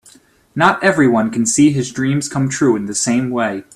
Not everyone can see his dreams come true in the same way.